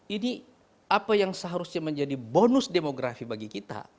ini apa yang seharusnya menjadi bonus demografi bagi kita